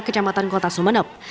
kecamatan kota sumeneb